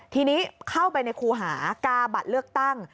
ทีนี้เข้าไปในครูหากาบัตรเลือกตั้ง